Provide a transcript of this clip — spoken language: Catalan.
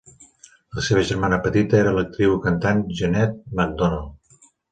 La seva germana petita era l'actriu i cantant Jeanette MacDonald.